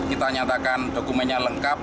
kita nyatakan dokumennya lengkap